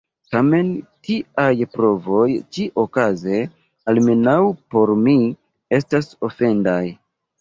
Tamen tiaj provoj ĉi-okaze, almenaŭ por mi, estas ofendaj.